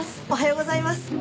おはようございます。